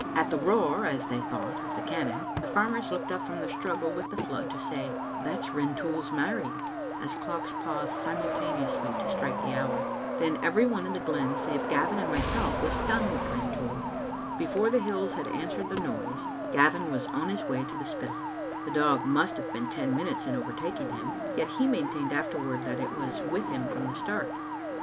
At the roar, as they thought, of the cannon, the farm' ers looked up from their struggle with the flood to say^ "That's Rintoul married," as clocks pause simultane ously to strike the hour. Then every one in the glen save Gavin and myself was done with Rintoul. Before the hills had answered the noise, Gavin was on his way to the Spittal. The dog must have been ten minutes in overtaking him, yet he maintained afterward that it was with him from the start.